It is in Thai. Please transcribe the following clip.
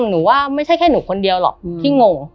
หนูว่าไม่ใช่แค่หนูคนเดียวหรอกที่งง